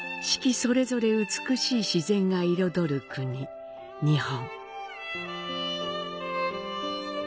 それぞれ美しい自然が彩る国、日本。